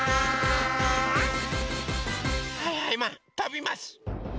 はいはいマンとびます！